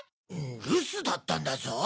留守だったんだぞ。